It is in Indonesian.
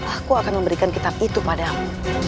aku akan memberikan kitab itu padamu